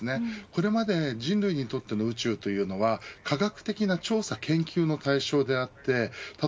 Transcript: これまで人類にとっての宇宙は科学的な調査、研究の対象でした。